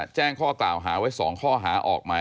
แจ้งข้อกล่าวหาไว้๒ข้อหาออกหมาย